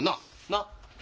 なっ？